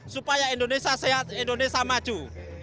supaya indonesia sehat indonesia maju